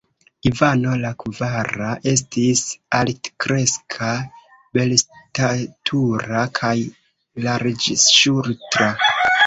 Ivano la kvara estis altkreska, belstatura kaj larĝŝultra.